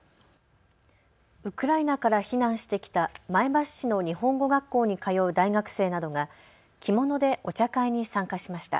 ウクライナから避難してきた前橋市の日本語学校に通う大学生などが着物でお茶会に参加しました。